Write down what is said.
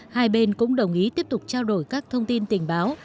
hai bên cũng đồng ý tiếp tục trao đổi các thông tin tình báo